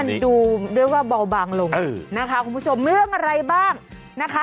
มันดูด้วยว่าเบาบางลงนะคะคุณผู้ชมเรื่องอะไรบ้างนะคะ